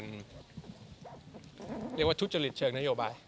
เรียกว่าทุจริตเชิงนโยบาย